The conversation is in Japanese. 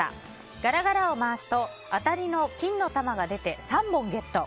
ガラガラを回すと当たりの金の玉が出て３本ゲット。